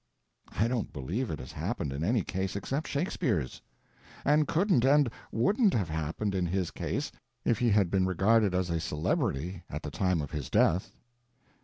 I don't believe it has happened in any case except Shakespeare's. And couldn't and wouldn't have happened in his case if he had been regarded as a celebrity at the time of his death.